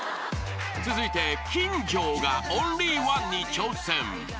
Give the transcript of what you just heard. ［続いて金城がオンリーワンに挑戦］